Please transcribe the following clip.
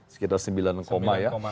sekitar sembilan ya